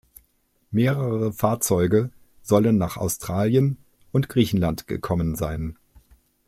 Mehrere Fahrzeuge sollen nach Australien und Griechenland gekommen sein.